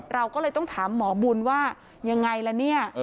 เราก็เลยต้องถามหมอบุญว่ายังไงล่ะเนี่ย